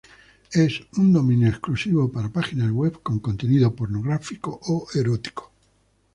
Es un dominio exclusivo para páginas web con contenido pornográfico o erótico.